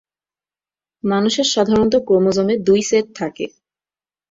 মানুষের সাধারণত ক্রোমোজোমে দুই সেট থাকে।